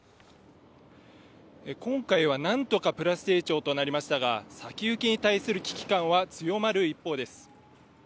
今回は何とかプラス成長となりましたが、先行きに対する危機感は強まる一方です。